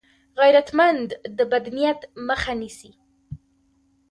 غیرتمند د بد نیت مخه نیسي